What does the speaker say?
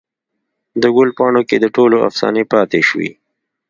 دګلو پاڼوکې دټولو افسانې پاته شوي